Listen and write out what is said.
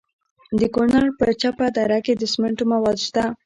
د کونړ په چپه دره کې د سمنټو مواد شته.